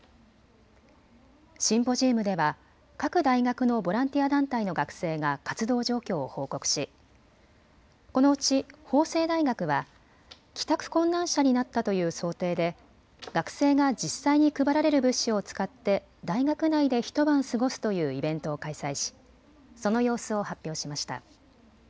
シンポジウムでは各大学のボランティア団体の学生が活動状況を報告しこのうち法政大学は帰宅困難者になったという想定で学生が実際に配られる物資を使って大学内で一晩過ごすというイベントを開催し、その様子を発表しました。